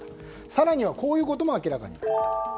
更には、こういうことも明らかになっています。